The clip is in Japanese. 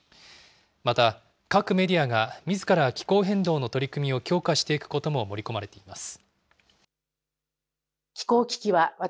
また、各メディアがみずから気候変動の取り組みを強化していくことも盛り込まれています。